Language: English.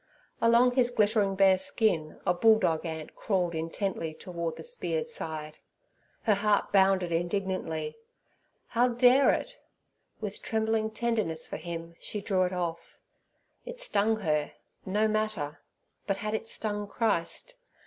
Along His glittering bare skin a bulldog ant crawled intently toward the speared side. Her heart bounded indignantly. How dare it? With trembling tenderness for Him, she drew it off. It stung her—no matter; but had it stung Christ?